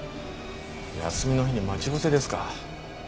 休みの日に待ち伏せですか？